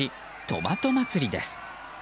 トマト祭りです。